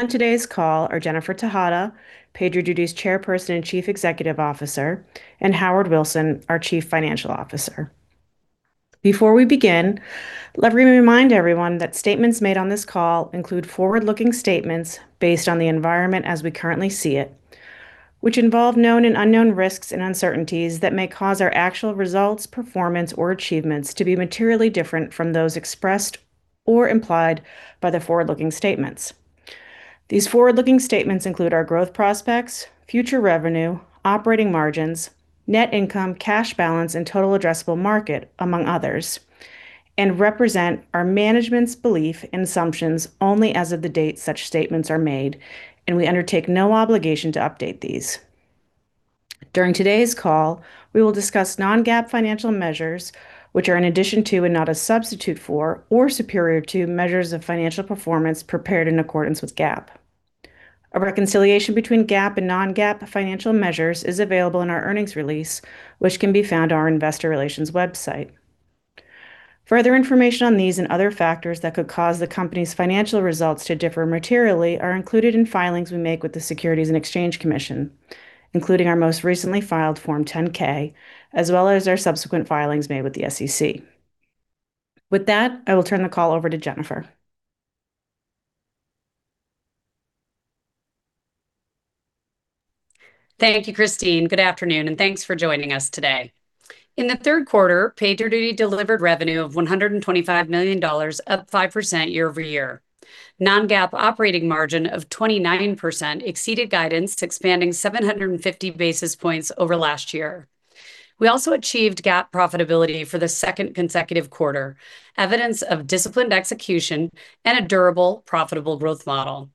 On today's call are Jennifer Tejada, PagerDuty's Chairperson and Chief Executive Officer, and Howard Wilson, our Chief Financial Officer. Before we begin, let me remind everyone that statements made on this call include forward-looking statements based on the environment as we currently see it, which involve known and unknown risks and uncertainties that may cause our actual results, performance, or achievements to be materially different from those expressed or implied by the forward-looking statements. These forward-looking statements include our growth prospects, future revenue, operating margins, net income, cash balance, and total addressable market, among others, and represent our management's belief and assumptions only as of the date such statements are made, and we undertake no obligation to update these. During today's call, we will discuss non-GAAP financial measures, which are an addition to and not a substitute for or superior to measures of financial performance prepared in accordance with GAAP. A reconciliation between GAAP and non-GAAP financial measures is available in our earnings release, which can be found on our investor relations website. Further information on these and other factors that could cause the company's financial results to differ materially are included in filings we make with the Securities and Exchange Commission, including our most recently filed Form 10-K, as well as our subsequent filings made with the SEC. With that, I will turn the call over to Jennifer. Thank you, Christine. Good afternoon, and thanks for joining us today. In the third quarter, PagerDuty delivered revenue of $125 million, up 5% year-over-year. Non-GAAP operating margin of 29% exceeded guidance, expanding 750 basis points over last year. We also achieved GAAP profitability for the second consecutive quarter, evidence of disciplined execution and a durable, profitable growth model.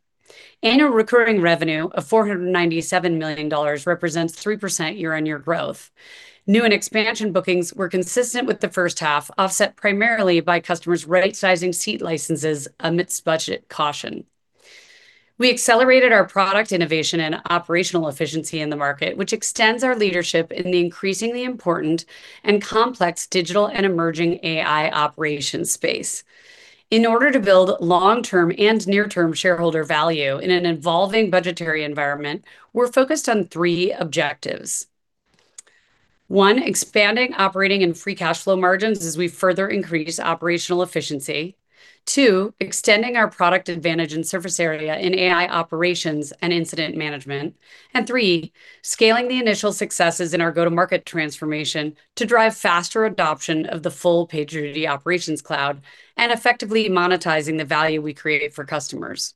Annual recurring revenue of $497 million represents 3% year-on-year growth. New and expansion bookings were consistent with the first half, offset primarily by customers rightsizing seat licenses amidst budget caution. We accelerated our product innovation and operational efficiency in the market, which extends our leadership in the increasingly important and complex digital and emerging AI operations space. In order to build long-term and near-term shareholder value in an evolving budgetary environment, we're focused on three objectives. One, expanding operating and free cash flow margins as we further increase operational efficiency. Two, extending our product advantage and surface area in AI operations and incident management. Three, scaling the initial successes in our go-to-market transformation to drive faster adoption of the full PagerDuty Operations Cloud and effectively monetizing the value we create for customers.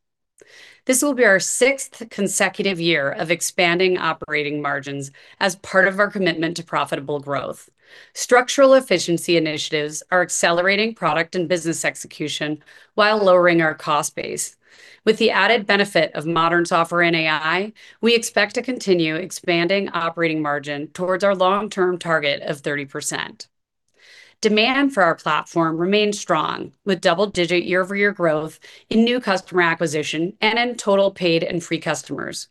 This will be our sixth consecutive year of expanding operating margins as part of our commitment to profitable growth. Structural efficiency initiatives are accelerating product and business execution while lowering our cost base. With the added benefit of modern software and AI, we expect to continue expanding operating margin towards our long-term target of 30%. Demand for our platform remains strong, with double-digit year-over-year growth in new customer acquisition and in total paid and free customers.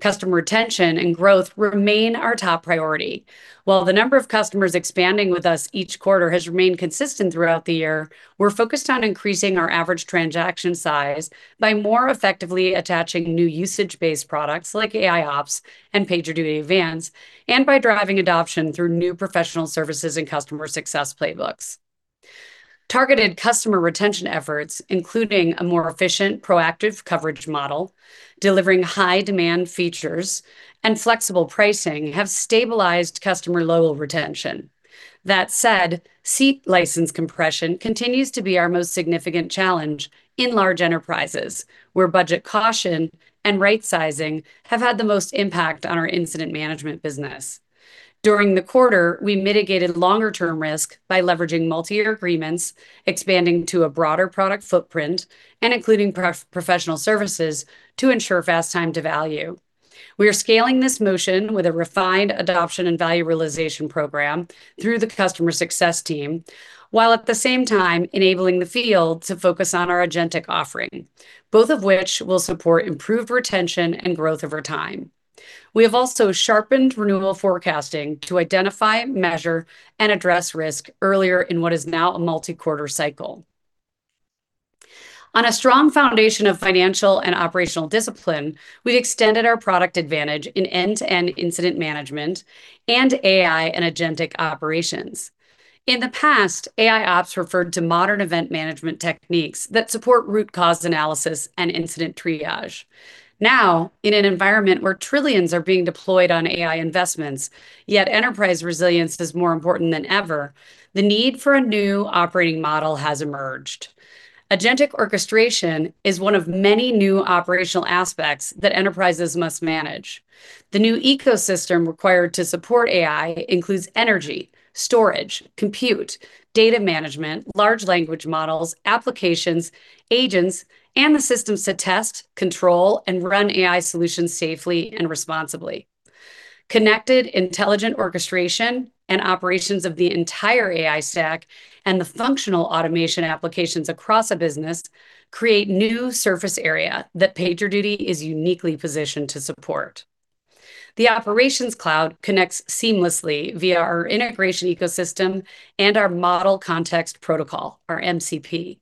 Customer retention and growth remain our top priority. While the number of customers expanding with us each quarter has remained consistent throughout the year, we're focused on increasing our average transaction size by more effectively attaching new usage-based products like AIOps and PagerDuty Advance, and by driving adoption through new professional services and customer success playbooks. Targeted customer retention efforts, including a more efficient, proactive coverage model, delivering high-demand features, and flexible pricing, have stabilized customer loyal retention. That said, seat license compression continues to be our most significant challenge in large enterprises, where budget caution and rightsizing have had the most impact on our incident management business. During the quarter, we mitigated longer-term risk by leveraging multi-year agreements, expanding to a broader product footprint, and including professional services to ensure fast time to value. We are scaling this motion with a refined adoption and value realization program through the customer success team, while at the same time enabling the field to focus on our agentic offering, both of which will support improved retention and growth over time. We have also sharpened renewal forecasting to identify, measure, and address risk earlier in what is now a multi-quarter cycle. On a strong foundation of financial and operational discipline, we've extended our product advantage in end-to-end incident management and AI and agentic operations. In the past, AIOps referred to modern event management techniques that support root cause analysis and incident triage. Now, in an environment where trillions are being deployed on AI investments, yet enterprise resilience is more important than ever, the need for a new operating model has emerged. Agentic orchestration is one of many new operational aspects that enterprises must manage. The new ecosystem required to support AI includes energy, storage, compute, data management, large language models, applications, agents, and the systems to test, control, and run AI solutions safely and responsibly. Connected, intelligent orchestration and operations of the entire AI stack and the functional automation applications across a business create new surface area that PagerDuty is uniquely positioned to support. The Operations Cloud connects seamlessly via our integration ecosystem and our Model Context Protocol, our MCP.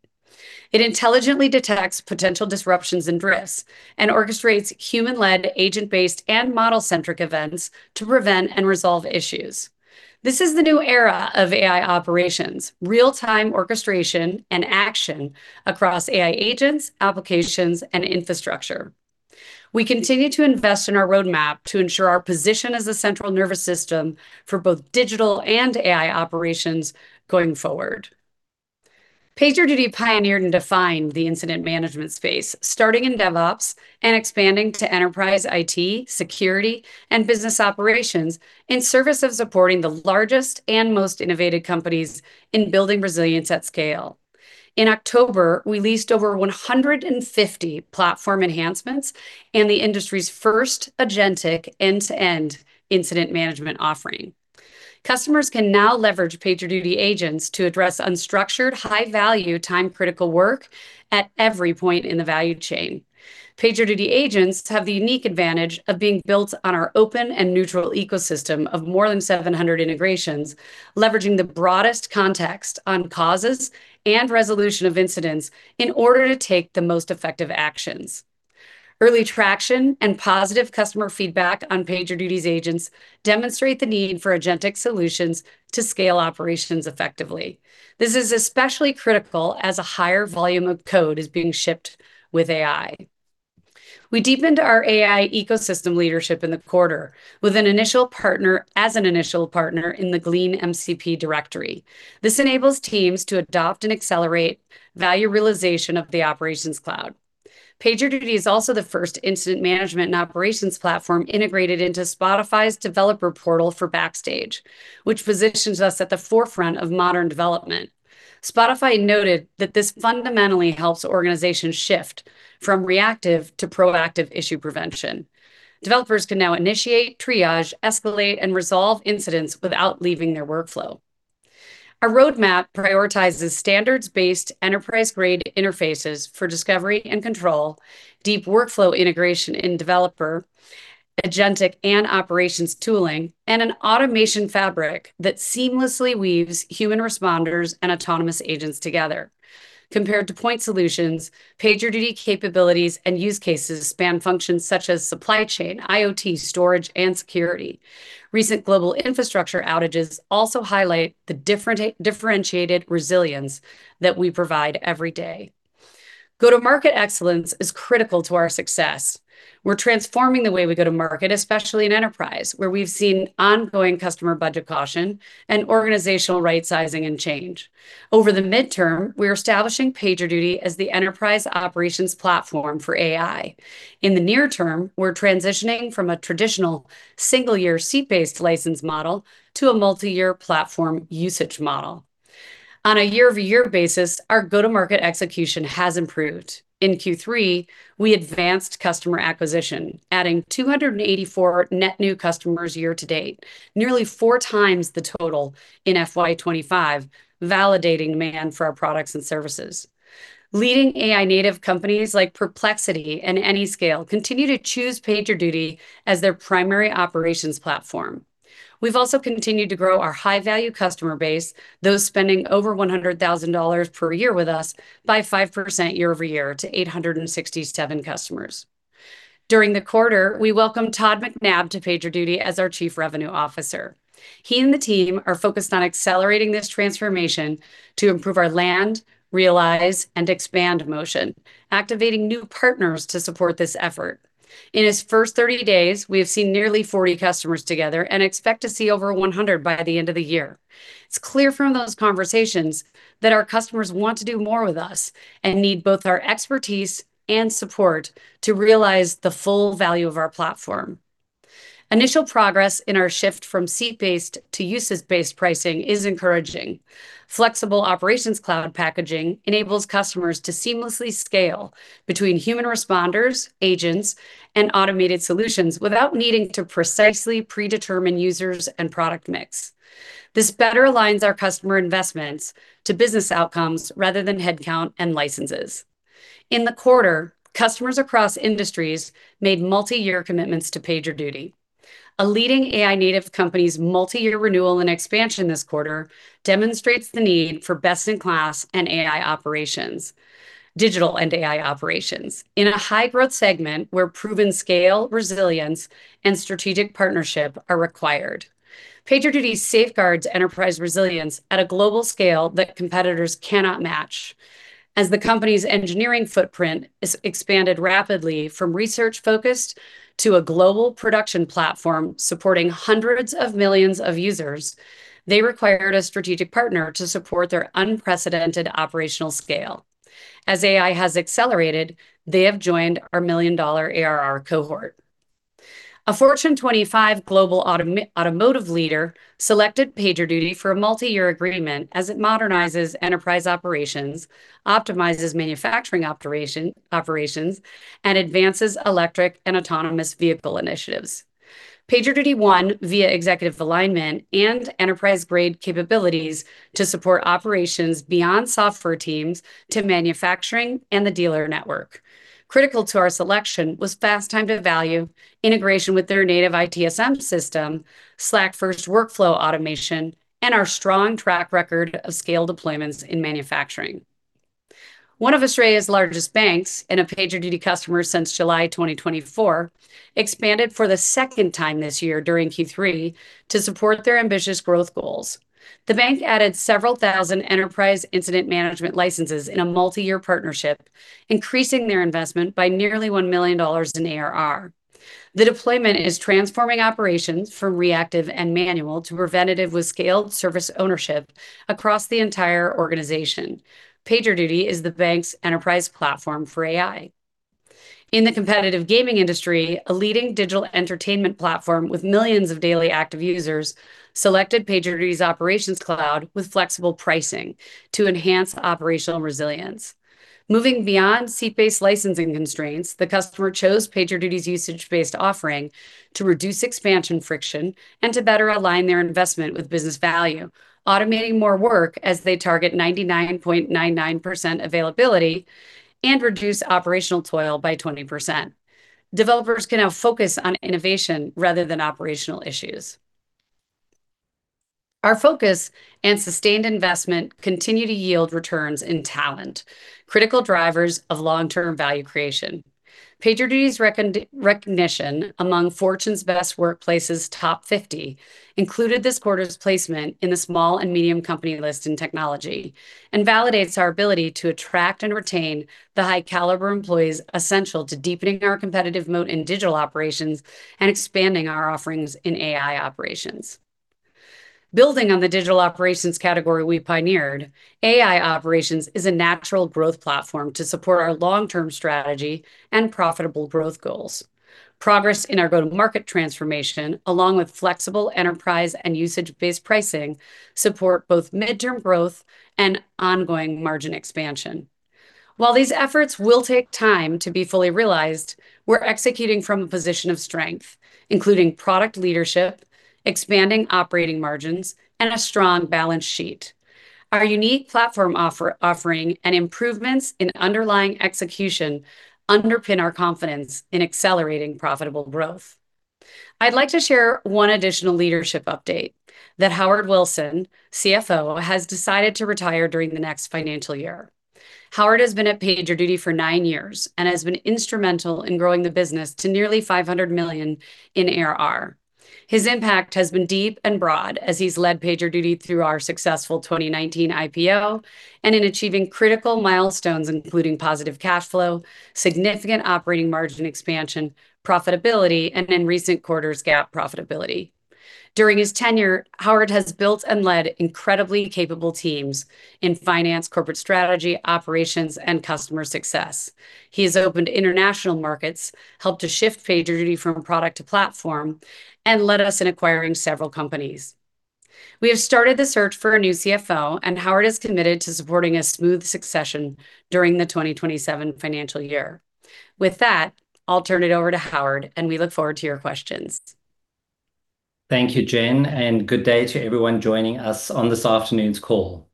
It intelligently detects potential disruptions and drifts and orchestrates human-led, agent-based, and model-centric events to prevent and resolve issues. This is the new era of AI operations: real-time orchestration and action across AI agents, applications, and infrastructure. We continue to invest in our roadmap to ensure our position as a central nervous system for both digital and AI operations going forward. PagerDuty pioneered and defined the incident management space, starting in DevOps and expanding to enterprise IT, security, and business operations in service of supporting the largest and most innovative companies in building resilience at scale. In October, we released over 150 platform enhancements and the industry's first agentic end-to-end incident management offering. Customers can now leverage PagerDuty agents to address unstructured, high-value, time-critical work at every point in the value chain. PagerDuty agents have the unique advantage of being built on our open and neutral ecosystem of more than 700 integrations, leveraging the broadest context on causes and resolution of incidents in order to take the most effective actions. Early traction and positive customer feedback on PagerDuty's agents demonstrate the need for agentic solutions to scale operations effectively. This is especially critical as a higher volume of code is being shipped with AI. We deepened our AI ecosystem leadership in the quarter with an initial partner as an initial partner in the Glean MCP directory. This enables teams to adopt and accelerate value realization of the Operations Cloud. PagerDuty is also the first incident management and operations platform integrated into Spotify's developer portal for Backstage, which positions us at the forefront of modern development. Spotify noted that this fundamentally helps organizations shift from reactive to proactive issue prevention. Developers can now initiate, triage, escalate, and resolve incidents without leaving their workflow. Our roadmap prioritizes standards-based enterprise-grade interfaces for discovery and control, deep workflow integration in developer, agentic and operations tooling, and an automation fabric that seamlessly weaves human responders and autonomous agents together. Compared to point solutions, PagerDuty capabilities and use cases span functions such as supply chain, IoT, storage, and security. Recent global infrastructure outages also highlight the differentiated resilience that we provide every day. Go to market excellence is critical to our success. We're transforming the way we go to market, especially in enterprise, where we've seen ongoing customer budget caution and organizational rightsizing and change. Over the midterm, we are establishing PagerDuty as the enterprise operations platform for AI. In the near term, we're transitioning from a traditional single-year seat-based license model to a multi-year platform usage model. On a year-over-year basis, our go-to-market execution has improved. In Q3, we advanced customer acquisition, adding 284 net new customers year-to-date, nearly 4x the total in FY 2025, validating demand for our products and services. Leading AI-native companies like Perplexity and Anyscale continue to choose PagerDuty as their primary operations platform. We've also continued to grow our high-value customer base, those spending over $100,000 per year with us by 5% year-over-year to 867 customers. During the quarter, we welcomed Todd McNabb to PagerDuty as our Chief Revenue Officer. He and the team are focused on accelerating this transformation to improve our land, realize, and expand motion, activating new partners to support this effort. In his first 30 days, we have seen nearly 40 customers together and expect to see over 100 by the end of the year. It's clear from those conversations that our customers want to do more with us and need both our expertise and support to realize the full value of our platform. Initial progress in our shift from seat-based to usage-based pricing is encouraging. Flexible Operations Cloud packaging enables customers to seamlessly scale between human responders, agents, and automated solutions without needing to precisely predetermine users and product mix. This better aligns our customer investments to business outcomes rather than headcount and licenses. In the quarter, customers across industries made multi-year commitments to PagerDuty. A leading AI-native company's multi-year renewal and expansion this quarter demonstrates the need for best-in-class and AI operations, digital and AI operations, in a high-growth segment where proven scale, resilience, and strategic partnership are required. PagerDuty safeguards enterprise resilience at a global scale that competitors cannot match. As the company's engineering footprint has expanded rapidly from research-focused to a global production platform supporting hundreds of millions of users, they required a strategic partner to support their unprecedented operational scale. As AI has accelerated, they have joined our million-dollar ARR cohort. A Fortune 25 global automotive leader selected PagerDuty for a multi-year agreement as it modernizes enterprise operations, optimizes manufacturing operations, and advances electric and autonomous vehicle initiatives. PagerDuty won via executive alignment and enterprise-grade capabilities to support operations beyond software teams to manufacturing and the dealer network. Critical to our selection was fast time to value, integration with their native ITSM system, Slack-first workflow automation, and our strong track record of scale deployments in manufacturing. One of Australia's largest banks and a PagerDuty customer since July 2024 expanded for the second time this year during Q3 to support their ambitious growth goals. The bank added several thousand enterprise incident management licenses in a multi-year partnership, increasing their investment by nearly $1 million in ARR. The deployment is transforming operations from reactive and manual to preventative with scaled service ownership across the entire organization. PagerDuty is the bank's enterprise platform for AI. In the competitive gaming industry, a leading digital entertainment platform with millions of daily active users selected PagerDuty's Operations Cloud with flexible pricing to enhance operational resilience. Moving beyond seat-based licensing constraints, the customer chose PagerDuty's usage-based offering to reduce expansion friction and to better align their investment with business value, automating more work as they target 99.99% availability and reduce operational toil by 20%. Developers can now focus on innovation rather than operational issues. Our focus and sustained investment continue to yield returns in talent, critical drivers of long-term value creation. PagerDuty's recognition among Fortune's Best Workplaces Top 50 included this quarter's placement in the Small and Medium Company List in technology and validates our ability to attract and retain the high-caliber employees essential to deepening our competitive moat in digital operations and expanding our offerings in AI operations. Building on the digital operations category we pioneered, AI operations is a natural growth platform to support our long-term strategy and profitable growth goals. Progress in our go-to-market transformation, along with flexible enterprise and usage-based pricing, supports both midterm growth and ongoing margin expansion. While these efforts will take time to be fully realized, we're executing from a position of strength, including product leadership, expanding operating margins, and a strong balance sheet. Our unique platform offering and improvements in underlying execution underpin our confidence in accelerating profitable growth. I'd like to share one additional leadership update that Howard Wilson, CFO, has decided to retire during the next financial year. Howard has been at PagerDuty for nine years and has been instrumental in growing the business to nearly $500 million in ARR. His impact has been deep and broad as he's led PagerDuty through our successful 2019 IPO and in achieving critical milestones including positive cash flow, significant operating margin expansion, profitability, and in recent quarters GAAP profitability. During his tenure, Howard has built and led incredibly capable teams in finance, corporate strategy, operations, and customer success. He has opened international markets, helped to shift PagerDuty from product to platform, and led us in acquiring several companies. We have started the search for a new CFO, and Howard is committed to supporting a smooth succession during the 2027 financial year. With that, I'll turn it over to Howard, and we look forward to your questions. Thank you, Jen, and good day to everyone joining us on this afternoon's call.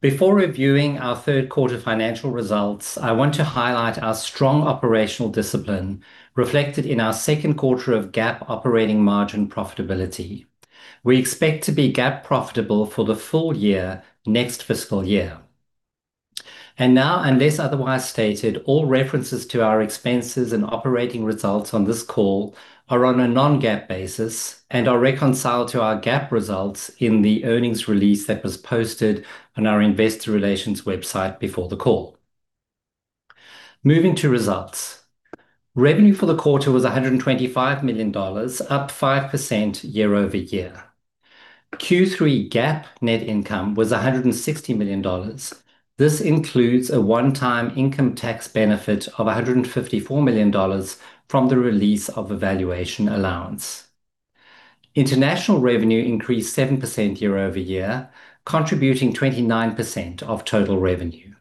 Before reviewing our third quarter financial results, I want to highlight our strong operational discipline reflected in our second quarter of GAAP operating margin profitability. We expect to be GAAP profitable for the full year next fiscal year. Now, unless otherwise stated, all references to our expenses and operating results on this call are on a non-GAAP basis and are reconciled to our GAAP results in the earnings release that was posted on our investor relations website before the call. Moving to results, revenue for the quarter was $125 million, up 5% year-over-year. Q3 GAAP net income was $160 million. This includes a one-time income tax benefit of $154 million from the release of a valuation allowance. International revenue increased 7% year-over-year, contributing 29% of total revenue.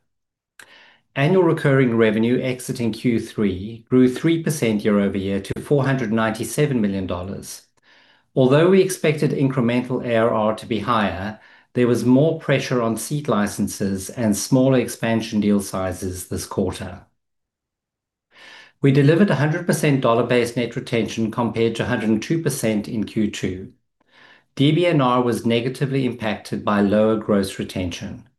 Annual recurring revenue exiting Q3 grew 3% year-over-year to $497 million. Although we expected incremental ARR to be higher, there was more pressure on seat licenses and smaller expansion deal sizes this quarter. We delivered 100% dollar-based net retention compared to 102% in Q2. DBNR was negatively impacted by lower gross retention.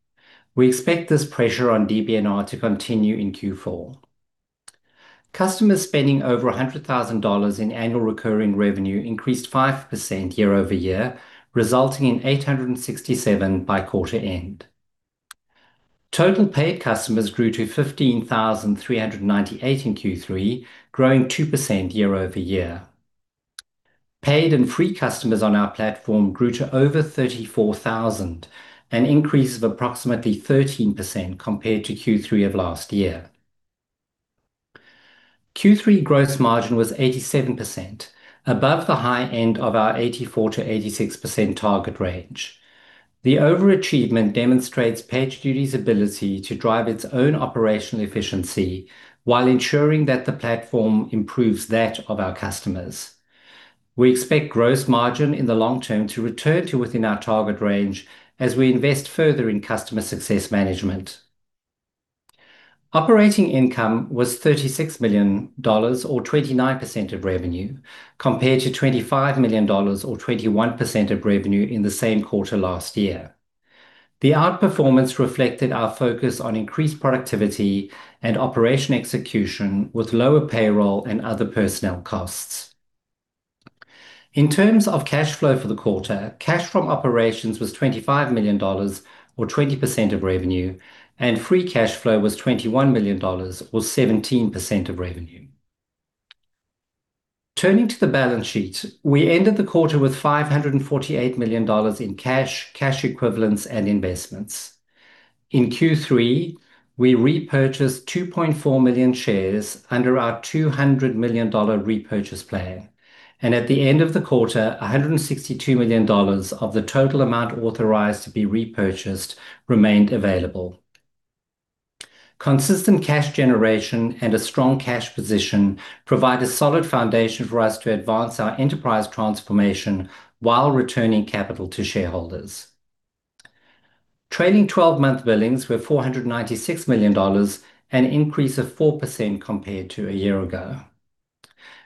We expect this pressure on DBNR to continue in Q4. Customers spending over $100,000 in annual recurring revenue increased 5% year-over-year, resulting in 867 by quarter end. Total paid customers grew to 15,398 in Q3, growing 2% year-over-year. Paid and free customers on our platform grew to over 34,000, an increase of approximately 13% compared to Q3 of last year. Q3 gross margin was 87%, above the high end of our 84%-86% target range. The overachievement demonstrates PagerDuty's ability to drive its own operational efficiency while ensuring that the platform improves that of our customers. We expect gross margin in the long term to return to within our target range as we invest further in customer success management. Operating income was $36 million, or 29% of revenue, compared to $25 million, or 21% of revenue in the same quarter last year. The outperformance reflected our focus on increased productivity and operation execution with lower payroll and other personnel costs. In terms of cash flow for the quarter, cash from operations was $25 million, or 20% of revenue, and free cash flow was $21 million, or 17% of revenue. Turning to the balance sheet, we ended the quarter with $548 million in cash, cash equivalents, and investments. In Q3, we repurchased 2.4 million shares under our $200 million repurchase plan, and at the end of the quarter, $162 million of the total amount authorized to be repurchased remained available. Consistent cash generation and a strong cash position provide a solid foundation for us to advance our enterprise transformation while returning capital to shareholders. Trailing 12-month billings were $496 million, an increase of 4% compared to a year ago.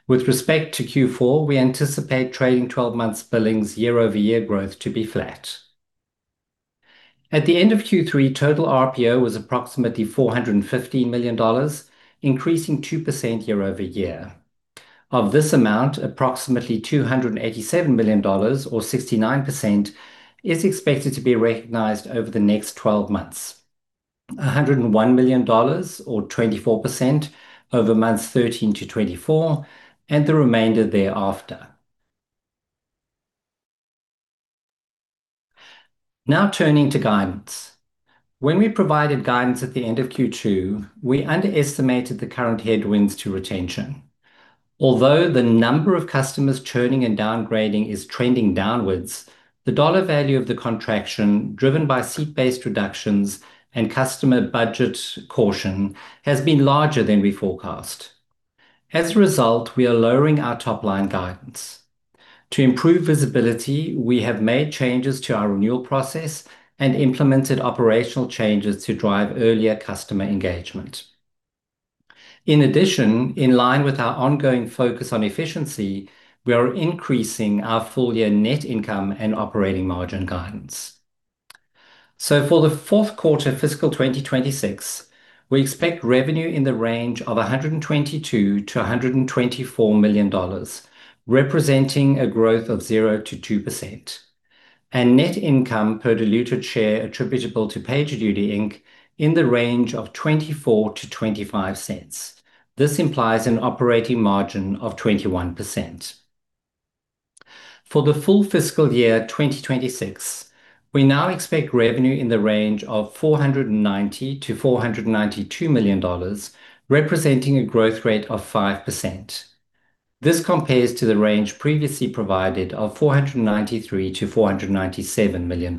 With respect to Q4, we anticipate trailing 12-month billings year-over-year growth to be flat. At the end of Q3, total RPO was approximately $415 million, increasing 2% year-over-year. Of this amount, approximately $287 million, or 69%, is expected to be recognized over the next 12 months, $101 million, or 24%, over months 13-24, and the remainder thereafter. Now turning to guidance. When we provided guidance at the end of Q2, we underestimated the current headwinds to retention. Although the number of customers churning and downgrading is trending downwards, the dollar value of the contraction, driven by seat-based reductions and customer budget caution, has been larger than we forecast. As a result, we are lowering our top-line guidance. To improve visibility, we have made changes to our renewal process and implemented operational changes to drive earlier customer engagement. In addition, in line with our ongoing focus on efficiency, we are increasing our full-year net income and operating margin guidance. For the fourth quarter fiscal 2026, we expect revenue in the range of $122 million-$124 million, representing a growth of 0%-2%, and net income per diluted share attributable to PagerDuty in the range of $0.24-$0.25. This implies an operating margin of 21%. For the full fiscal year 2026, we now expect revenue in the range of $490 million-$492 million, representing a growth rate of 5%. This compares to the range previously provided of $493 million-$497 million.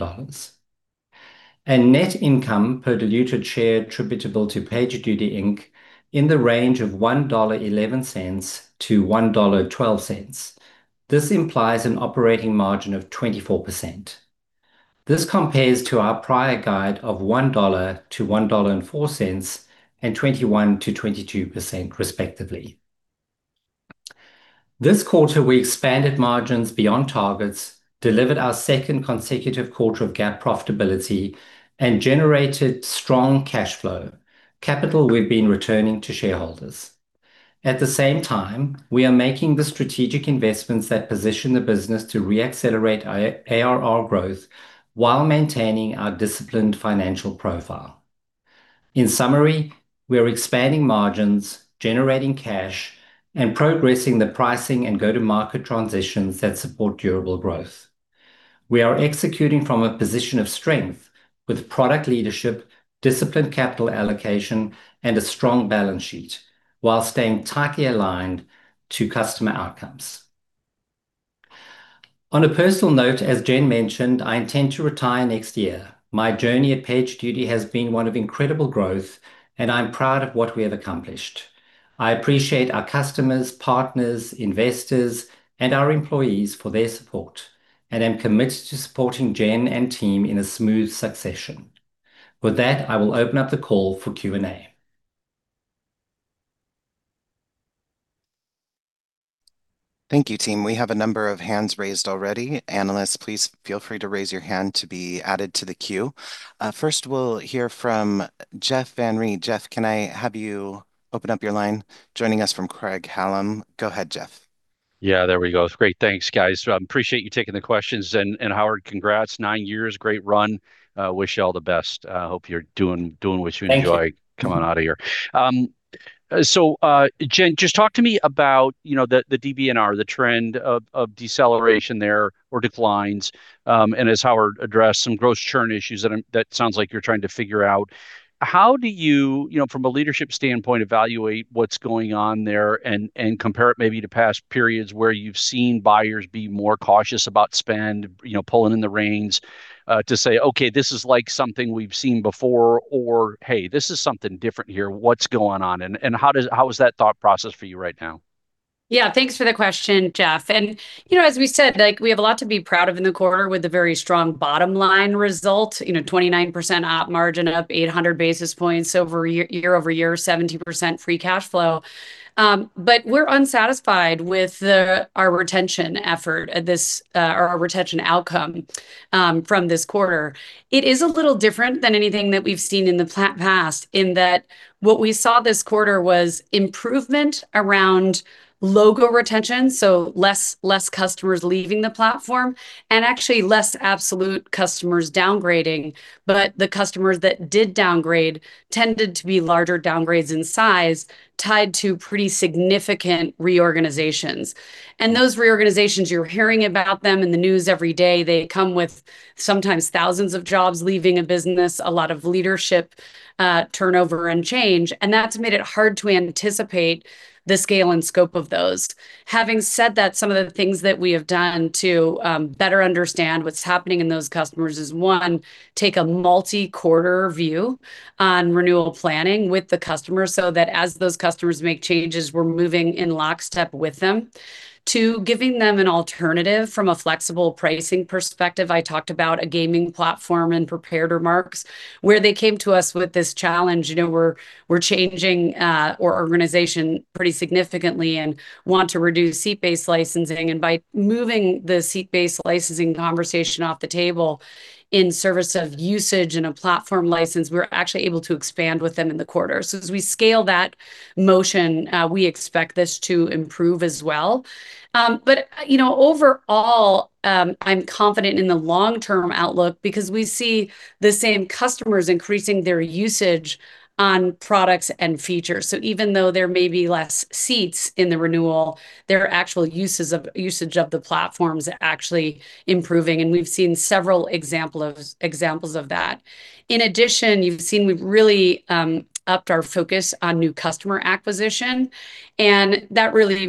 And net income per diluted share attributable to PagerDuty. In the range of $1.11-$1.12. This implies an operating margin of 24%. This compares to our prior guide of $1-$1.04 and 21%-22%, respectively. This quarter, we expanded margins beyond targets, delivered our second consecutive quarter of GAAP profitability, and generated strong cash flow, capital we've been returning to shareholders. At the same time, we are making the strategic investments that position the business to re-accelerate ARR growth while maintaining our disciplined financial profile. In summary, we are expanding margins, generating cash, and progressing the pricing and go-to-market transitions that support durable growth. We are executing from a position of strength with product leadership, disciplined capital allocation, and a strong balance sheet while staying tightly aligned to customer outcomes. On a personal note, as Jen mentioned, I intend to retire next year. My journey at PagerDuty has been one of incredible growth, and I'm proud of what we have accomplished. I appreciate our customers, partners, investors, and our employees for their support, and I'm committed to supporting Jen and team in a smooth succession. With that, I will open up the call for Q&A. Thank you, team. We have a number of hands raised already. Analysts, please feel free to raise your hand to be added to the queue. First, we'll hear from Jeff Van Rhee. Jeff, can I have you open up your line? Joining us from Craig-Hallum. Go ahead, Jeff. Yeah, there we go. It's great. Thanks, guys. Appreciate you taking the questions. Howard, congrats. Nine years, great run. Wish you all the best. I hope you're doing what you enjoy coming out of here. Jen, just talk to me about, you know, the DBNR, the trend of deceleration there or declines, and as Howard addressed some gross churn issues that sounds like you're trying to figure out. How do you, you know, from a leadership standpoint, evaluate what's going on there and compare it maybe to past periods where you've seen buyers be more cautious about spend, you know, pulling in the reins to say, "Okay, this is like something we've seen before," or, "Hey, this is something different here. What's going on?" How is that thought process for you right now? Yeah, thanks for the question, Jeff. You know, as we said, we have a lot to be proud of in the quarter with a very strong bottom line result, you know, 29% op margin, up 800 basis points year-over-year, 70% free cash flow. We're unsatisfied with our retention effort, our retention outcome from this quarter. It is a little different than anything that we've seen in the past in that what we saw this quarter was improvement around logo retention, so less customers leaving the platform and actually less absolute customers downgrading. The customers that did downgrade tended to be larger downgrades in size tied to pretty significant reorganizations. Those reorganizations, you're hearing about them in the news every day. They come with sometimes thousands of jobs leaving a business, a lot of leadership turnover and change, and that's made it hard to anticipate the scale and scope of those. Having said that, some of the things that we have done to better understand what's happening in those customers is, one, take a multi-quarter view on renewal planning with the customer so that as those customers make changes, we're moving in lockstep with them. Two, giving them an alternative from a flexible pricing perspective. I talked about a gaming platform in prepared remarks where they came to us with this challenge. You know, we're changing our organization pretty significantly and want to reduce seat-based licensing. And by moving the seat-based licensing conversation off the table in service of usage and a platform license, we're actually able to expand with them in the quarter. As we scale that motion, we expect this to improve as well. You know, overall, I'm confident in the long-term outlook because we see the same customers increasing their usage on products and features. Even though there may be less seats in the renewal, their actual usage of the platforms is actually improving, and we've seen several examples of that. In addition, you've seen we've really upped our focus on new customer acquisition, and that really,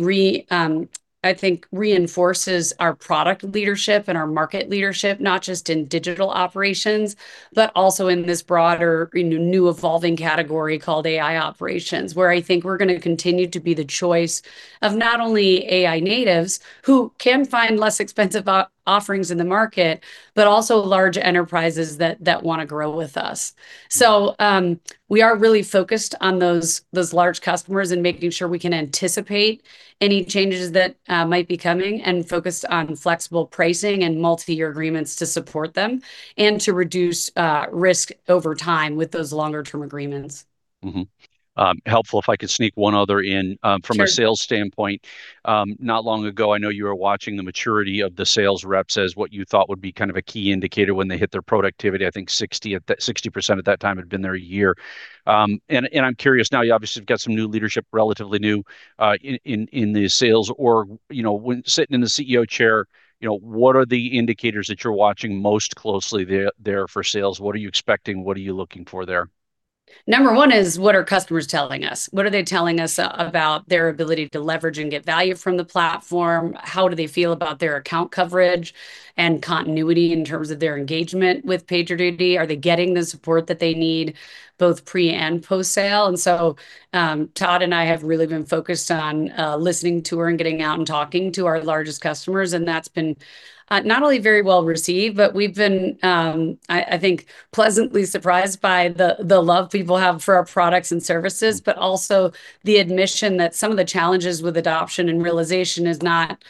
I think, reinforces our product leadership and our market leadership, not just in digital operations, but also in this broader, new evolving category called AI operations, where I think we're going to continue to be the choice of not only AI natives who can find less expensive offerings in the market, but also large enterprises that want to grow with us. We are really focused on those large customers and making sure we can anticipate any changes that might be coming and focused on flexible pricing and multi-year agreements to support them and to reduce risk over time with those longer-term agreements. Helpful if I could sneak one other in from a sales standpoint. Not long ago, I know you were watching the maturity of the sales reps as what you thought would be kind of a key indicator when they hit their productivity. I think 60% at that time had been there a year. I'm curious now, you obviously have got some new leadership, relatively new in the sales, or, you know, sitting in the CEO chair, you know, what are the indicators that you're watching most closely there for sales? What are you expecting? What are you looking for there? Number one is what are customers telling us? What are they telling us about their ability to leverage and get value from the platform? How do they feel about their account coverage and continuity in terms of their engagement with PagerDuty? Are they getting the support that they need both pre and post-sale? Todd and I have really been focused on listening to her and getting out and talking to our largest customers, and that's been not only very well received, but we've been, I think, pleasantly surprised by the love people have for our products and services, but also the admission that some of the challenges with adoption and realization is not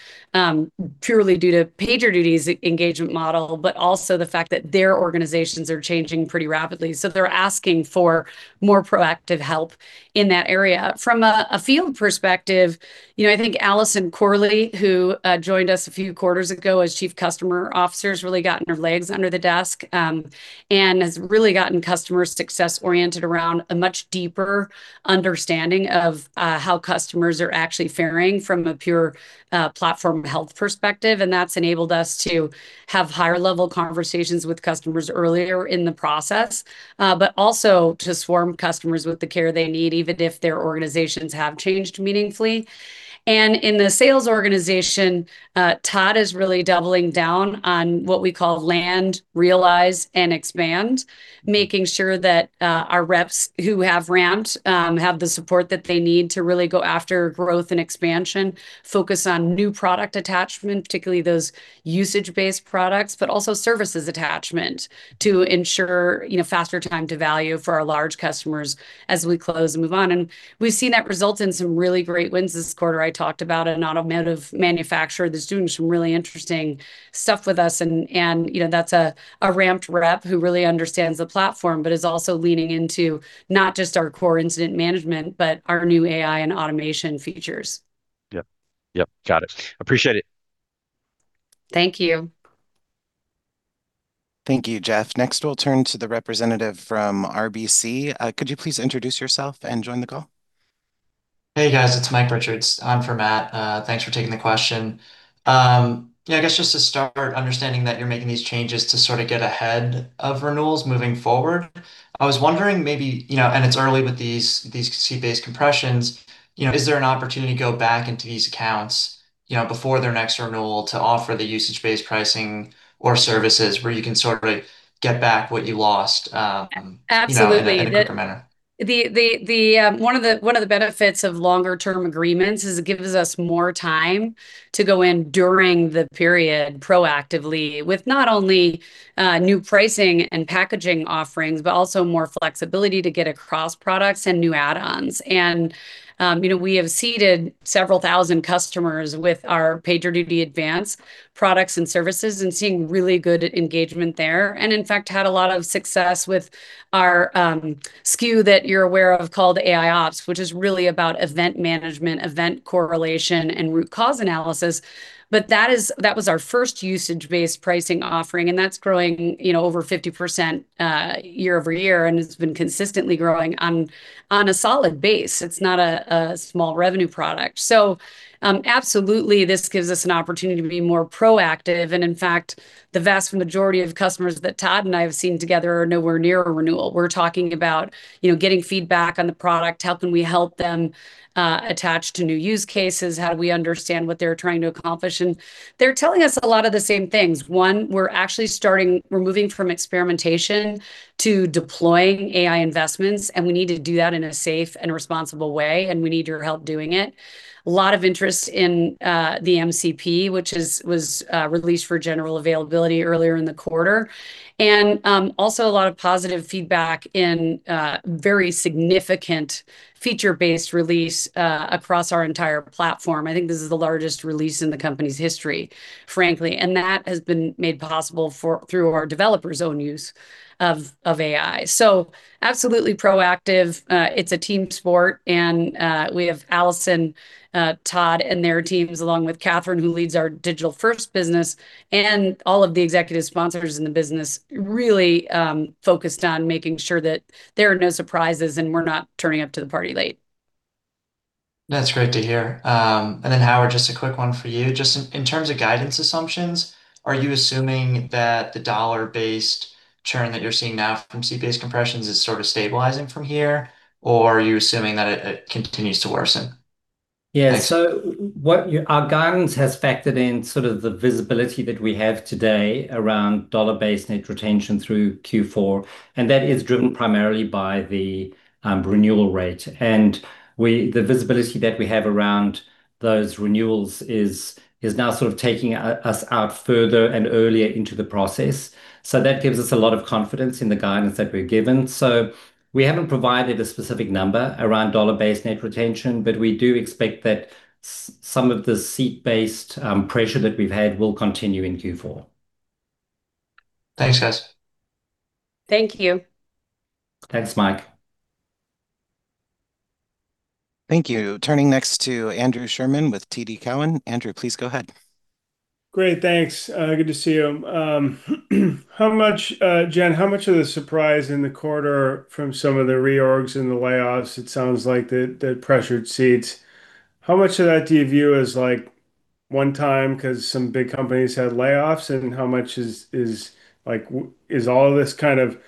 purely due to PagerDuty's engagement model, but also the fact that their organizations are changing pretty rapidly. They're asking for more proactive help in that area. From a field perspective, you know, I think Allison Corley, who joined us a few quarters ago as Chief Customer Officer, has really gotten her legs under the desk and has really gotten customer success oriented around a much deeper understanding of how customers are actually faring from a pure platform health perspective. That's enabled us to have higher-level conversations with customers earlier in the process, but also to swarm customers with the care they need, even if their organizations have changed meaningfully. In the sales organization, Todd is really doubling down on what we call land, realize, and expand, making sure that our reps who have ramped have the support that they need to really go after growth and expansion, focus on new product attachment, particularly those usage-based products, but also services attachment to ensure, you know, faster time to value for our large customers as we close and move on. We have seen that result in some really great wins this quarter. I talked about an automotive manufacturer that is doing some really interesting stuff with us, and, you know, that is a ramped rep who really understands the platform, but is also leaning into not just our core incident management, but our new AI and automation features. Yep. Yep. Got it. Appreciate it. Thank you. Thank you, Jeff. Next, we will turn to the representative from RBC. Could you please introduce yourself and join the call? Hey, guys. It's Mike Richards. On for Matt. Thanks for taking the question. Yeah, I guess just to start, understanding that you're making these changes to sort of get ahead of renewals moving forward, I was wondering maybe, you know, and it's early with these seat-based compressions, you know, is there an opportunity to go back into these accounts, you know, before their next renewal to offer the usage-based pricing or services where you can sort of get back what you lost? Absolutely. One of the benefits of longer-term agreements is it gives us more time to go in during the period proactively with not only new pricing and packaging offerings, but also more flexibility to get across products and new add-ons. You know, we have seated several thousand customers with our PagerDuty Advance products and services and seeing really good engagement there. In fact, had a lot of success with our SKU that you're aware of called AIOps, which is really about event management, event correlation, and root cause analysis. That was our first usage-based pricing offering, and that's growing, you know, over 50% year-over-year, and it's been consistently growing on a solid base. It's not a small revenue product. Absolutely, this gives us an opportunity to be more proactive. In fact, the vast majority of customers that Todd and I have seen together are nowhere near a renewal. We're talking about, you know, getting feedback on the product. How can we help them attach to new use cases? How do we understand what they're trying to accomplish? They're telling us a lot of the same things. One, we're actually starting, we're moving from experimentation to deploying AI investments, and we need to do that in a safe and responsible way, and we need your help doing it. A lot of interest in the MCP, which was released for general availability earlier in the quarter, and also a lot of positive feedback in very significant feature-based release across our entire platform. I think this is the largest release in the company's history, frankly, and that has been made possible through our developers' own use of AI. Absolutely proactive. It's a team sport, and we have Allison, Todd, and their teams, along with Catherine, who leads our digital-first business, and all of the executive sponsors in the business, really focused on making sure that there are no surprises and we're not turning up to the party late. That's great to hear. Howard, just a quick one for you. Just in terms of guidance assumptions, are you assuming that the dollar-based churn that you're seeing now from seat-based compressions is sort of stabilizing from here, or are you assuming that it continues to worsen? Yeah. Our guidance has factored in sort of the visibility that we have today around dollar-based net retention through Q4, and that is driven primarily by the renewal rate. The visibility that we have around those renewals is now sort of taking us out further and earlier into the process. That gives us a lot of confidence in the guidance that we're given. We haven't provided a specific number around dollar-based net retention, but we do expect that some of the seat-based pressure that we've had will continue in Q4. Thanks, guys. Thank you. Thanks, Mike. Thank you. Turning next to Andrew Sherman with TD Cowen. Andrew, please go ahead. Great. Thanks. Good to see you. How much, Jen, how much of the surprise in the quarter from some of the reorgs and the layoffs, it sounds like the pressured seats, how much of that do you view as like one time because some big companies had layoffs? How much is like is all of this kind of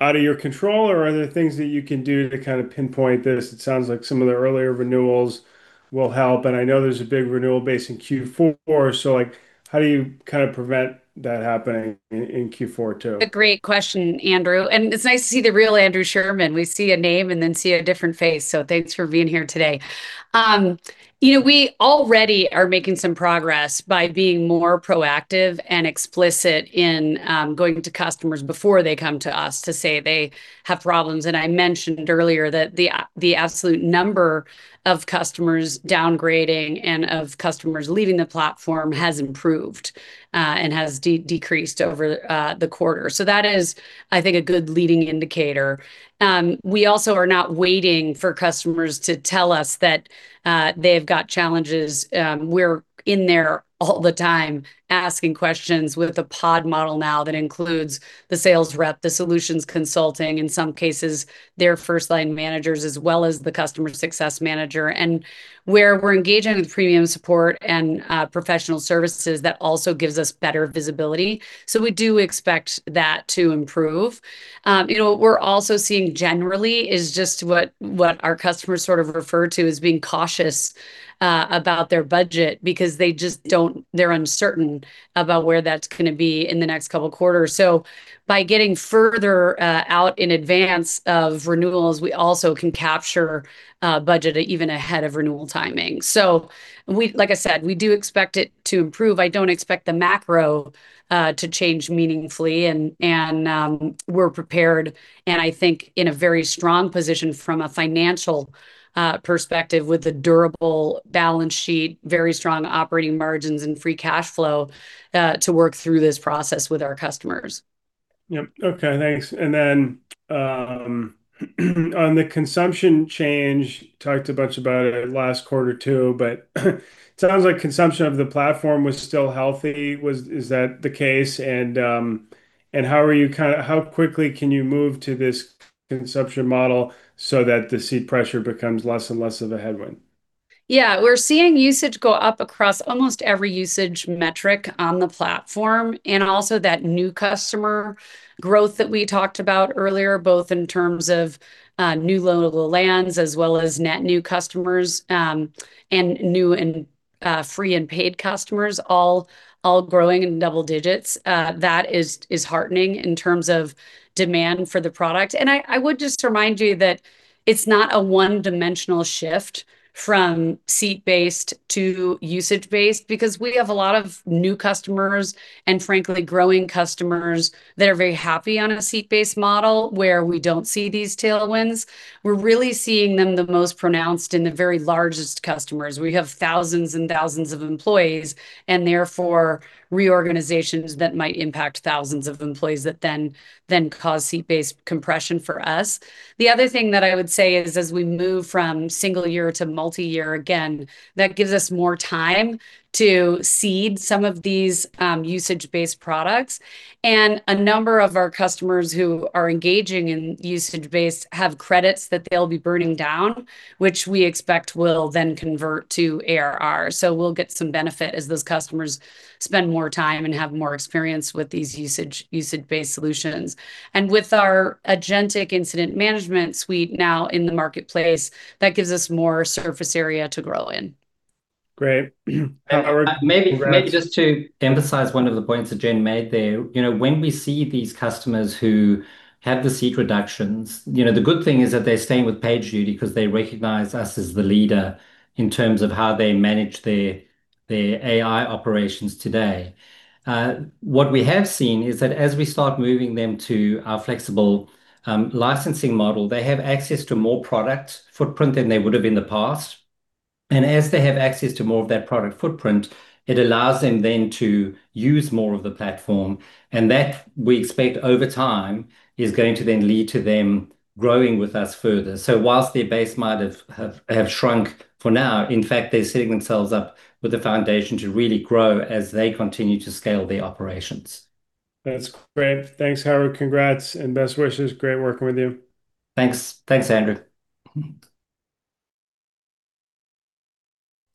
out of your control, or are there things that you can do to kind of pinpoint this? It sounds like some of the earlier renewals will help. I know there is a big renewal base in Q4. How do you kind of prevent that happening in Q4 too? A great question, Andrew. It is nice to see the real Andrew Sherman. We see a name and then see a different face. Thanks for being here today. You know, we already are making some progress by being more proactive and explicit in going to customers before they come to us to say they have problems. I mentioned earlier that the absolute number of customers downgrading and of customers leaving the platform has improved and has decreased over the quarter. That is, I think, a good leading indicator. We also are not waiting for customers to tell us that they've got challenges. We're in there all the time asking questions with a pod model now that includes the sales rep, the solutions consulting, in some cases, their first-line managers, as well as the customer success manager. Where we're engaging with premium support and professional services, that also gives us better visibility. We do expect that to improve. You know, what we're also seeing generally is just what our customers sort of refer to as being cautious about their budget because they just don't, they're uncertain about where that's going to be in the next couple of quarters. By getting further out in advance of renewals, we also can capture budget even ahead of renewal timing. Like I said, we do expect it to improve. I don't expect the macro to change meaningfully, and we're prepared, and I think in a very strong position from a financial perspective with a durable balance sheet, very strong operating margins, and free cash flow to work through this process with our customers. Yep. Okay. Thanks. And then on the consumption change, talked a bunch about it last quarter too, but it sounds like consumption of the platform was still healthy. Is that the case? How are you kind of, how quickly can you move to this consumption model so that the seat pressure becomes less and less of a headwind? Yeah. We're seeing usage go up across almost every usage metric on the platform, and also that new customer growth that we talked about earlier, both in terms of new load of the lands as well as net new customers and new and free and paid customers, all growing in double digits. That is heartening in terms of demand for the product. I would just remind you that it's not a one-dimensional shift from seat-based to usage-based because we have a lot of new customers and, frankly, growing customers that are very happy on a seat-based model where we don't see these tailwinds. We're really seeing them the most pronounced in the very largest customers. We have thousands and thousands of employees and therefore reorganizations that might impact thousands of employees that then cause seat-based compression for us. The other thing that I would say is as we move from single year to multi-year, again, that gives us more time to seed some of these usage-based products. A number of our customers who are engaging in usage-based have credits that they'll be burning down, which we expect will then convert to ARR. We will get some benefit as those customers spend more time and have more experience with these usage-based solutions. With our agentic incident management suite now in the marketplace, that gives us more surface area to grow in. Great. Maybe just to emphasize one of the points that Jen made there, you know, when we see these customers who have the seat reductions, you know, the good thing is that they're staying with PagerDuty because they recognize us as the leader in terms of how they manage their AI operations today. What we have seen is that as we start moving them to our flexible licensing model, they have access to more product footprint than they would have in the past. As they have access to more of that product footprint, it allows them then to use more of the platform. That we expect over time is going to then lead to them growing with us further. Whilst their base might have shrunk for now, in fact, they're setting themselves up with a foundation to really grow as they continue to scale their operations. That's great. Thanks, Howard. Congrats and best wishes. Great working with you. Thanks. Thanks, Andrew.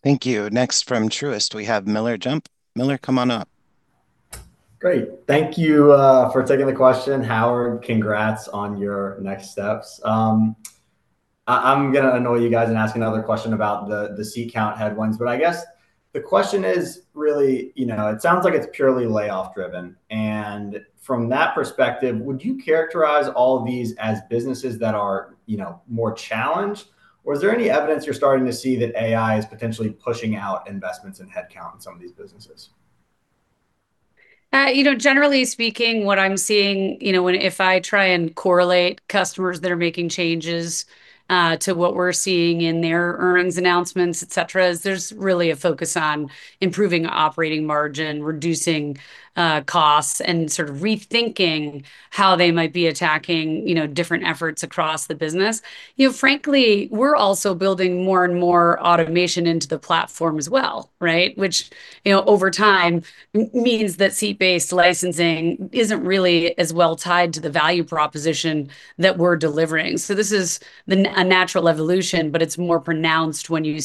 Thank you. Next from Truist, we have Miller Jump. Miller, come on up. Great. Thank you for taking the question. Howard, congrats on your next steps. I'm going to annoy you guys and ask another question about the seat count headwinds, but I guess the question is really, you know, it sounds like it's purely layoff-driven. From that perspective, would you characterize all these as businesses that are, you know, more challenged, or is there any evidence you're starting to see that AI is potentially pushing out investments in headcount in some of these businesses? You know, generally speaking, what I'm seeing, you know, when if I try and correlate customers that are making changes to what we're seeing in their earnings announcements, etc., is there's really a focus on improving operating margin, reducing costs, and sort of rethinking how they might be attacking, you know, different efforts across the business. You know, frankly, we're also building more and more automation into the platform as well, right? Which, you know, over time means that seat-based licensing isn't really as well tied to the value proposition that we're delivering. This is a natural evolution, but it's more pronounced when you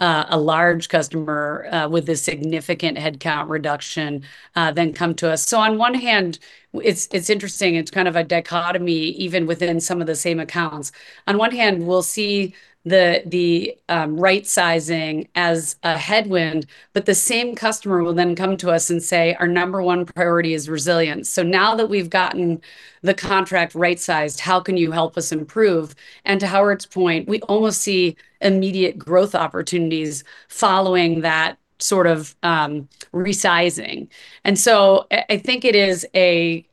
see a large customer with a significant headcount reduction then come to us. On one hand, it's interesting. It's kind of a dichotomy even within some of the same accounts. On one hand, we'll see the right-sizing as a headwind, but the same customer will then come to us and say, "Our number one priority is resilience. So now that we've gotten the contract right-sized, how can you help us improve?" To Howard's point, we almost see immediate growth opportunities following that sort of resizing. I think it is a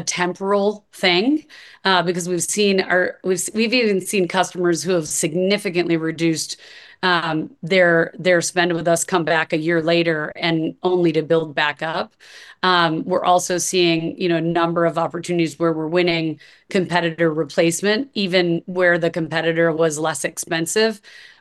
temporal thing because we've seen our, we've even seen customers who have significantly reduced their spend with us come back a year later only to build back up. We're also seeing, you know, a number of opportunities where we're winning competitor replacement, even where the competitor was less expensive,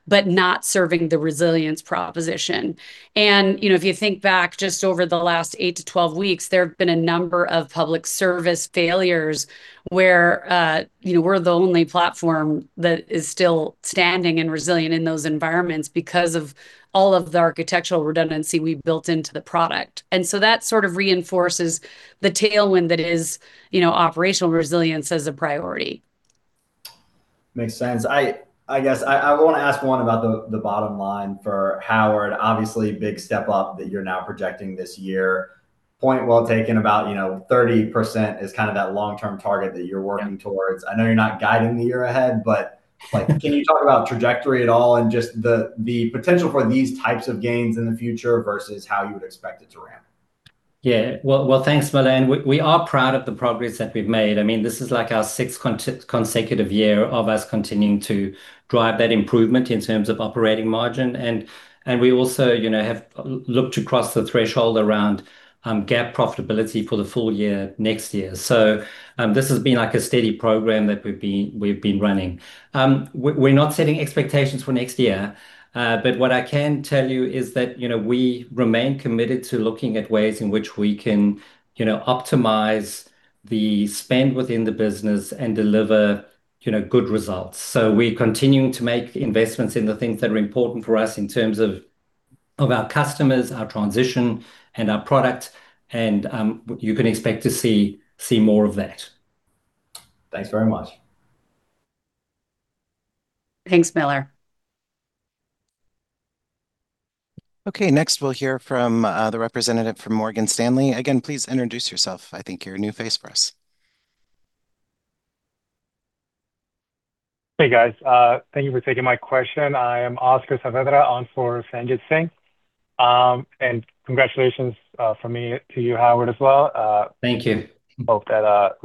but not serving the resilience proposition. If you think back just over the last 8 to 12 weeks, there have been a number of public service failures where, you know, we're the only platform that is still standing and resilient in those environments because of all of the architectural redundancy we built into the product. That sort of reinforces the tailwind that is, you know, operational resilience as a priority. Makes sense. I guess I want to ask one about the bottom line for Howard. Obviously, big step up that you're now projecting this year. Point well taken about, you know, 30% is kind of that long-term target that you're working towards. I know you're not guiding the year ahead, but can you talk about trajectory at all and just the potential for these types of gains in the future versus how you would expect it to ramp? Yeah. Thanks, Miller. We are proud of the progress that we've made. I mean, this is like our sixth consecutive year of us continuing to drive that improvement in terms of operating margin. We also, you know, have looked across the threshold around GAAP profitability for the full year next year. This has been like a steady program that we've been running. We're not setting expectations for next year, but what I can tell you is that, you know, we remain committed to looking at ways in which we can, you know, optimize the spend within the business and deliver, you know, good results. We're continuing to make investments in the things that are important for us in terms of our customers, our transition, and our product. You can expect to see more of that. Thanks very much. Thanks, Miller. Okay. Next, we'll hear from the representative from Morgan Stanley. Again, please introduce yourself. I think you're a new face for us. Hey, guys. Thank you for taking my question. I am Oscar Saavedra on for Sanjit Singh. And congratulations from me to you, Howard, as well. Thank you. Hope that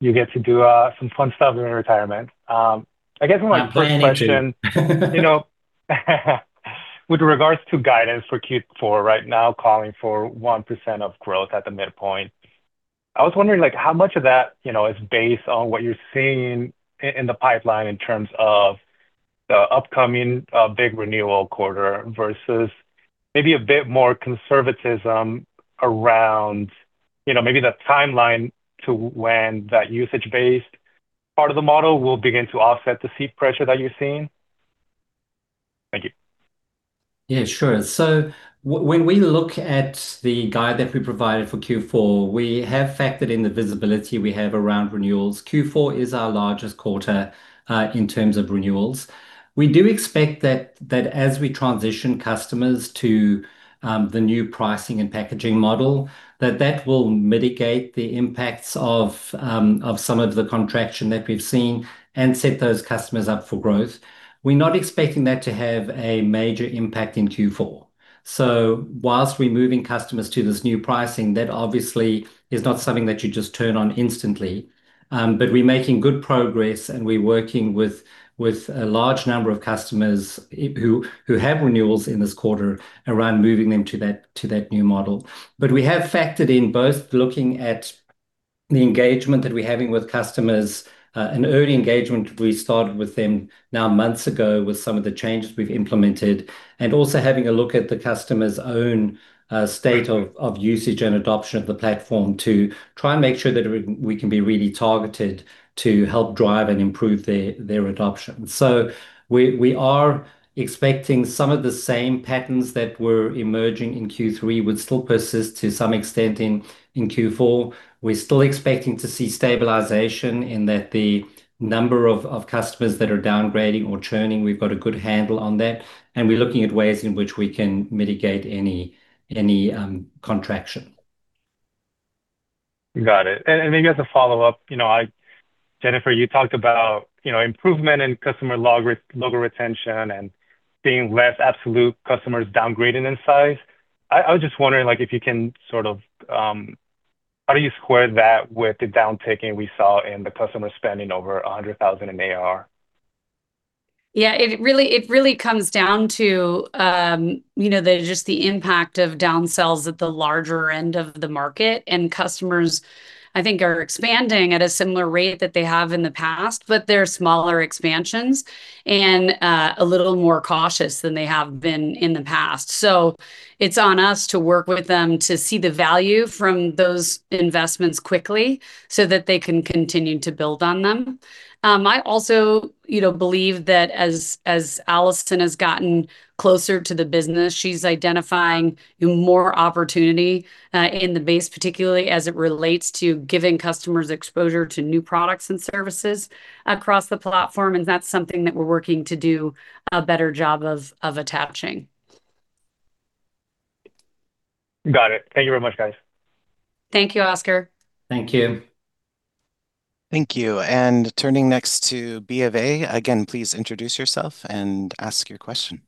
you get to do some fun stuff in retirement. I guess my first question, you know, with regards to guidance for Q4 right now, calling for 1% of growth at the midpoint, I was wondering like how much of that, you know, is based on what you're seeing in the pipeline in terms of the upcoming big renewal quarter versus maybe a bit more conservatism around, you know, maybe the timeline to when that usage-based part of the model will begin to offset the seat pressure that you're seeing? Thank you. Yeah, sure. When we look at the guide that we provided for Q4, we have factored in the visibility we have around renewals. Q4 is our largest quarter in terms of renewals. We do expect that as we transition customers to the new pricing and packaging model, that that will mitigate the impacts of some of the contraction that we've seen and set those customers up for growth. We're not expecting that to have a major impact in Q4. Whilst we're moving customers to this new pricing, that obviously is not something that you just turn on instantly. We're making good progress and we're working with a large number of customers who have renewals in this quarter around moving them to that new model. We have factored in both looking at the engagement that we're having with customers, an early engagement we started with them now months ago with some of the changes we've implemented, and also having a look at the customer's own state of usage and adoption of the platform to try and make sure that we can be really targeted to help drive and improve their adoption. We are expecting some of the same patterns that were emerging in Q3 would still persist to some extent in Q4. We're still expecting to see stabilization in that the number of customers that are downgrading or churning, we've got a good handle on that. We're looking at ways in which we can mitigate any contraction. Got it. Maybe as a follow-up, you know, Jennifer, you talked about, you know, improvement in customer logo retention and seeing less absolute customers downgrading in size. I was just wondering like if you can sort of, how do you square that with the downticking we saw in the customer spending over $100,000 in ARR? Yeah, it really comes down to, you know, just the impact of downsells at the larger end of the market. And customers, I think, are expanding at a similar rate that they have in the past, but they're smaller expansions and a little more cautious than they have been in the past. It is on us to work with them to see the value from those investments quickly so that they can continue to build on them. I also, you know, believe that as Allison has gotten closer to the business, she's identifying more opportunity in the base, particularly as it relates to giving customers exposure to new products and services across the platform. That's something that we're working to do a better job of attaching. Got it. Thank you very much, guys. Thank you, Oscar. Thank you. Thank you. Turning next to BofA, again, please introduce yourself and ask your question.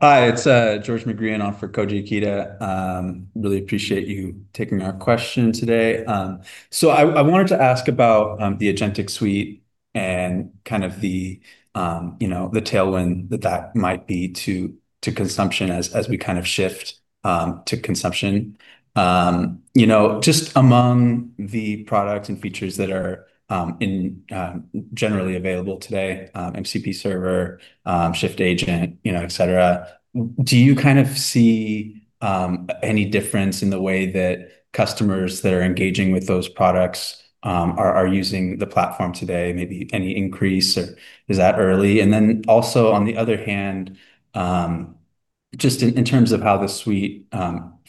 Hi, it's George McGreehan on for Koji Ikeda. Really appreciate you taking our question today. I wanted to ask about the agentic suite and kind of the, you know, the tailwind that that might be to consumption as we kind of shift to consumption. You know, just among the products and features that are generally available today, MCP server, Shift Agent, you know, etc., do you kind of see any difference in the way that customers that are engaging with those products are using the platform today? Maybe any increase or is that early? Also, on the other hand, just in terms of how the suite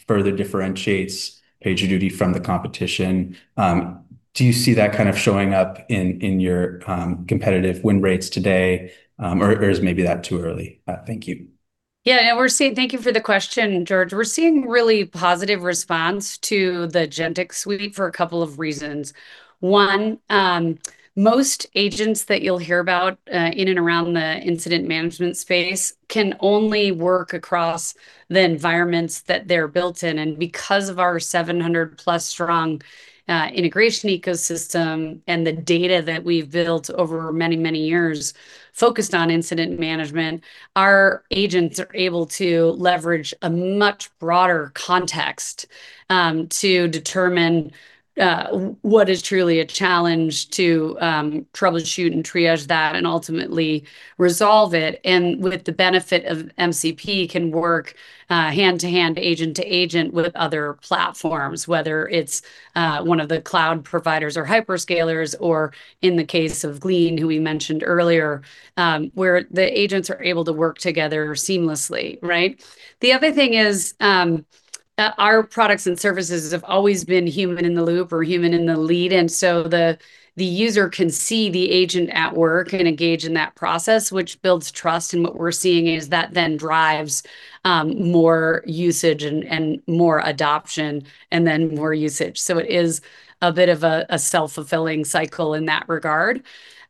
further differentiates PagerDuty from the competition, do you see that kind of showing up in your competitive win rates today or is maybe that too early? Thank you. Yeah, and we're seeing, thank you for the question, George. We're seeing really positive response to the agentic suite for a couple of reasons. One, most agents that you'll hear about in and around the incident management space can only work across the environments that they're built in. Because of our 700+ strong integration ecosystem and the data that we've built over many, many years focused on incident management, our agents are able to leverage a much broader context to determine what is truly a challenge to troubleshoot and triage that and ultimately resolve it. With the benefit of MCP, they can work hand-to-hand, agent-to-agent with other platforms, whether it's one of the cloud providers or hyperscalers or in the case of Glean, who we mentioned earlier, where the agents are able to work together seamlessly, right? The other thing is our products and services have always been human in the loop or human in the lead. The user can see the agent at work and engage in that process, which builds trust. What we're seeing is that then drives more usage and more adoption and then more usage. It is a bit of a self-fulfilling cycle in that regard.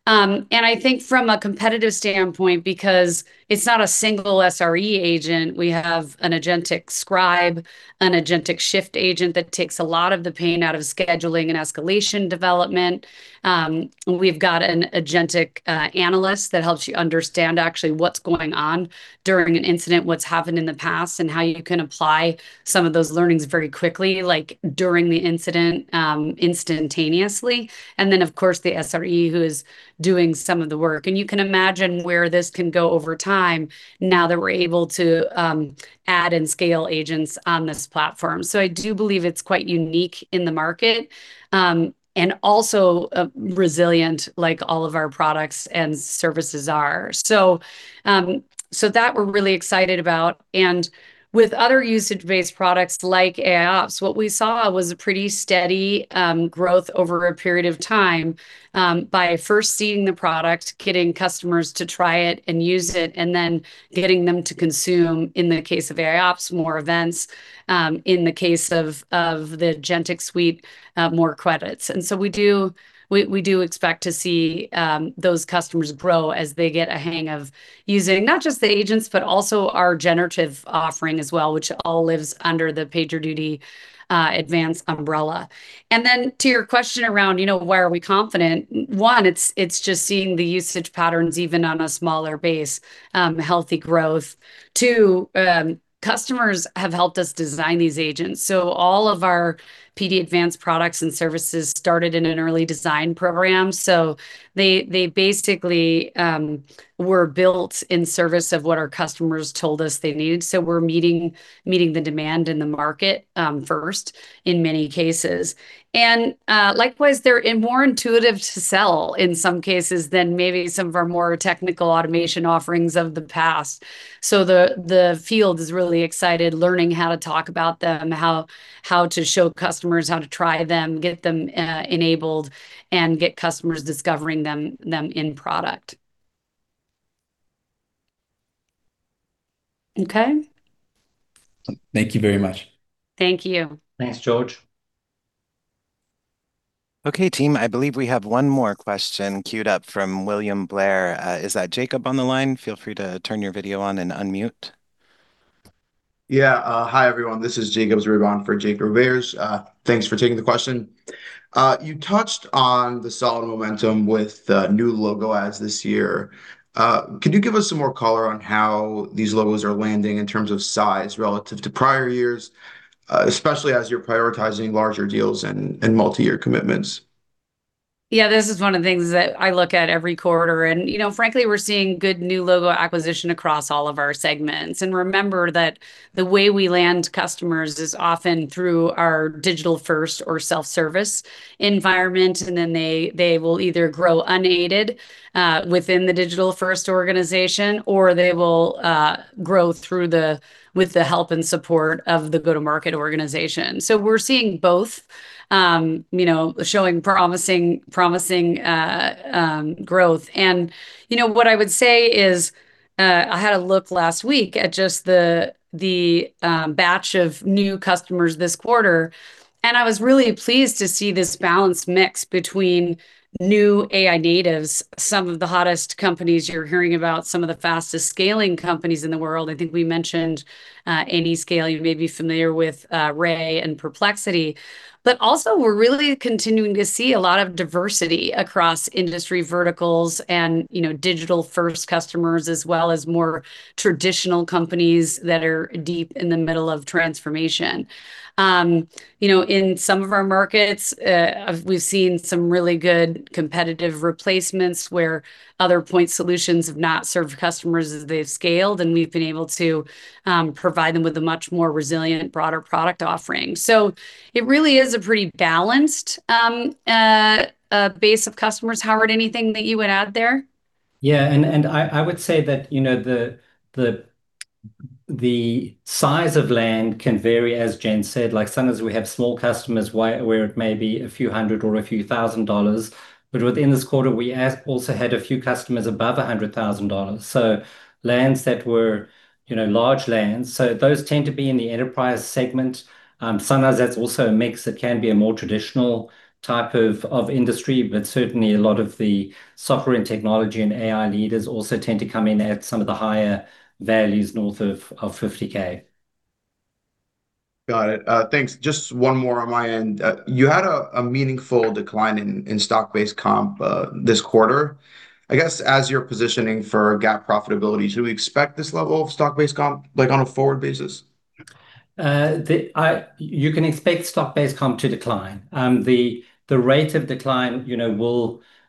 I think from a competitive standpoint, because it's not a single SRE agent, we have an agentic Scribe, an agentic Shift Agent that takes a lot of the pain out of scheduling and escalation development. We've got an agentic analyst that helps you understand actually what's going on during an incident, what's happened in the past, and how you can apply some of those learnings very quickly, like during the incident, instantaneously. Of course, the SRE who is doing some of the work. You can imagine where this can go over time now that we're able to add and scale agents on this platform. I do believe it's quite unique in the market and also resilient, like all of our products and services are. That we're really excited about. With other usage-based products like AIOps, what we saw was a pretty steady growth over a period of time by first seeing the product, getting customers to try it and use it, and then getting them to consume, in the case of AIOps, more events. In the case of the agentic suite, more credits. We do expect to see those customers grow as they get a hang of using not just the agents, but also our generative offering as well, which all lives under the PagerDuty Advance umbrella. To your question around, you know, why are we confident? One, it is just seeing the usage patterns even on a smaller base, healthy growth. Two, customers have helped us design these agents. All of our PD Advance products and services started in an early design program. They basically were built in service of what our customers told us they needed. We're meeting the demand in the market first in many cases. Likewise, they're more intuitive to sell in some cases than maybe some of our more technical automation offerings of the past. The field is really excited learning how to talk about them, how to show customers how to try them, get them enabled, and get customers discovering them in product. Okay. Thank you very much. Thank you. Thanks, George. Okay, team, I believe we have one more question queued up from William Blair. Is that Jacob on the line? Feel free to turn your video on and unmute. Yeah. Hi everyone. This is Jacob Zerbib on for Jake Roberge. Thanks for taking the question. You touched on the solid momentum with the new logo ads this year. Could you give us some more color on how these logos are landing in terms of size relative to prior years, especially as you're prioritizing larger deals and multi-year commitments? Yeah, this is one of the things that I look at every quarter. You know, frankly, we're seeing good new logo acquisition across all of our segments. Remember that the way we land customers is often through our digital-first or self-service environment. Then they will either grow unaided within the digital-first organization or they will grow with the help and support of the go-to-market organization. We're seeing both, you know, showing promising growth. You know, what I would say is I had a look last week at just the batch of new customers this quarter. I was really pleased to see this balanced mix between new AI natives, some of the hottest companies you're hearing about, some of the fastest scaling companies in the world. I think we mentioned Anyscale, you may be familiar with Ray and Perplexity. We are really continuing to see a lot of diversity across industry verticals and, you know, digital-first customers as well as more traditional companies that are deep in the middle of transformation. You know, in some of our markets, we've seen some really good competitive replacements where other point solutions have not served customers as they've scaled. We've been able to provide them with a much more resilient, broader product offering. It really is a pretty balanced base of customers. Howard, anything that you would add there? Yeah, and I would say that, you know, the size of land can vary, as Jen said. Like sometimes we have small customers where it may be a few hundred or a few thousand dollars. But within this quarter, we also had a few customers above $100,000. So lands that were, you know, large lands. Those tend to be in the enterprise segment. Sometimes that's also a mix that can be a more traditional type of industry. Certainly, a lot of the software and technology and AI leaders also tend to come in at some of the higher values north of $50,000. Got it. Thanks. Just one more on my end. You had a meaningful decline in stock-based comp this quarter. I guess as you're positioning for GAAP profitability, should we expect this level of stock-based comp, like on a forward basis? You can expect stock-based comp to decline. The rate of decline, you know,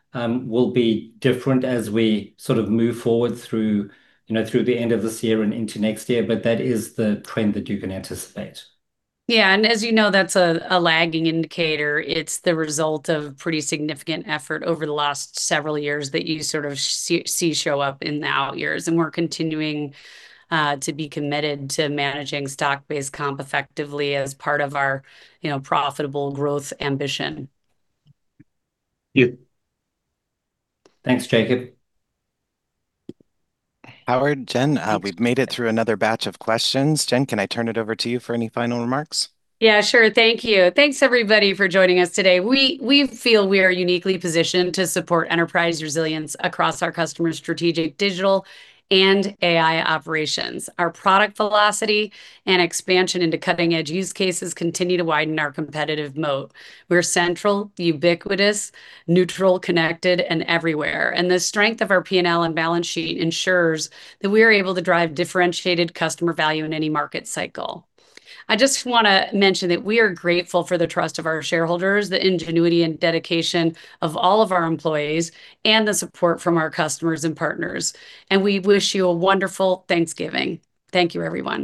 will be different as we sort of move forward through, you know, through the end of this year and into next year. That is the trend that you can anticipate. Yeah. As you know, that's a lagging indicator. It's the result of pretty significant effort over the last several years that you sort of see show up in the out years. We're continuing to be committed to managing stock-based comp effectively as part of our, you know, profitable growth ambition. Thank you. Thanks, Jacob. Howard, Jen, we've made it through another batch of questions. Jen, can I turn it over to you for any final remarks? Yeah, sure. Thank you. Thanks, everybody, for joining us today. We feel we are uniquely positioned to support enterprise resilience across our customer's strategic digital and AI operations. Our product velocity and expansion into cutting-edge use cases continue to widen our competitive moat. We are central, ubiquitous, neutral, connected, and everywhere. The strength of our P&L and balance sheet ensures that we are able to drive differentiated customer value in any market cycle. I just want to mention that we are grateful for the trust of our shareholders, the ingenuity and dedication of all of our employees, and the support from our customers and partners. We wish you a wonderful Thanksgiving. Thank you, everyone.